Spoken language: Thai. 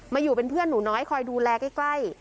อยู่เป็นเพื่อนหนูน้อยคอยดูแลใกล้